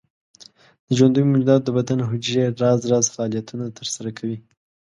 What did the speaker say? د ژوندیو موجوداتو د بدن حجرې راز راز فعالیتونه تر سره کوي.